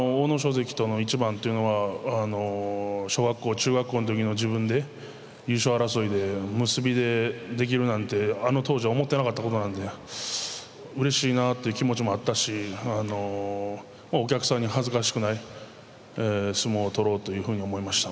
関との一番というのは小学校中学校の時の自分で優勝争いで結びでできるなんてあの当時は思ってなかったことなんでうれしいなあって気持ちもあったしお客さんに恥ずかしくない相撲を取ろうというふうに思いました。